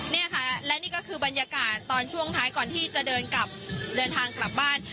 นี่ค่ะและนี่ก็คือบรรยากาศตอนช่วงท้ายก่อนที่จะเดินกลับเดินทางกลับบ้าน